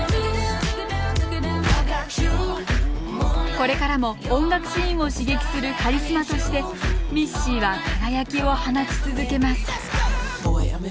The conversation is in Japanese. これからも音楽シーンを刺激するカリスマとしてミッシーは輝きを放ち続けます